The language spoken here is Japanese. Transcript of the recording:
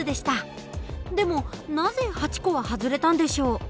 でもなぜ８個は外れたんでしょう？